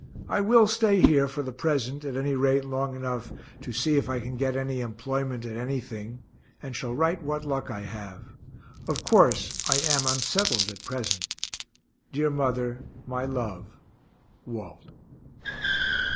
I will stay here for the present, at any rate long enough to see if I can get any employment at anything, and shall write what luck I have. Of course I am unsettled at present. Dear mother; my love. WALT.